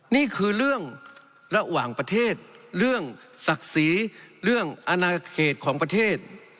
นี่คือเรื่องระหว่างประเทศเรื่องศักดิ์ศรีเรื่องอนาเขตของประเทศ